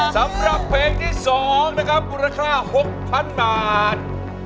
สำหรับเพลงที่๒นะครับมูลค่า๖๐๐๐บาท